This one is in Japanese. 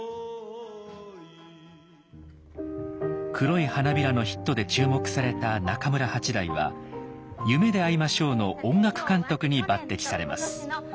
「黒い花びら」のヒットで注目された中村八大は「夢であいましょう」の音楽監督に抜てきされます。